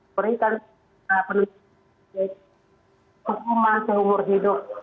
berikan penutupan hukuman seumur hidup